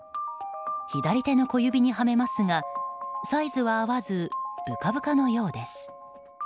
左手の小指にはめますがサイズは合わずぶかぶかのようです。